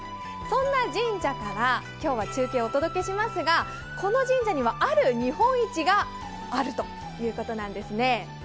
そんな神社から今日は中継、お届けしますがこの神社には、ある日本一があるということなんです。